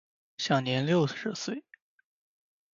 享年六十岁。